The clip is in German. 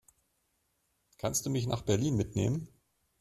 Kannst du mich nach Berlin mitnehmen?